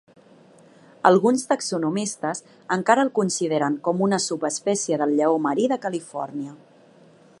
Alguns taxonomistes encara el consideren com una subespècie del lleó marí de Califòrnia.